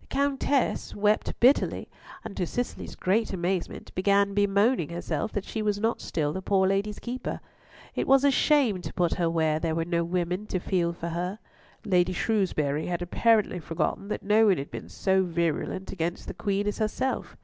The Countess wept bitterly, and to Cicely's great amazement began bemoaning herself that she was not still the poor lady's keeper. It was a shame to put her where there were no women to feel for her. Lady Shrewsbury had apparently forgotten that no one had been so virulent against the Queen as herself.